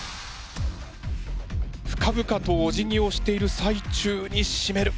深々とおじぎをしている最中にしめる。